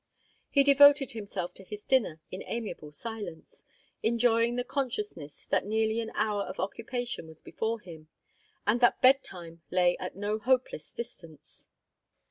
He devoted himself to his dinner in amiable silence, enjoying the consciousness that nearly an hour of occupation was before him, and that bed time lay at no hopeless distance.